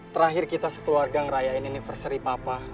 terakhir kita sekeluarga ngerayain universary papa